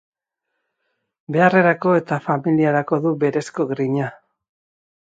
Beharrerako eta familiarako du berezko grina.